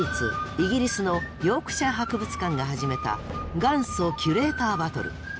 イギリスのヨークシャー博物館が始めた元祖キュレーターバトル。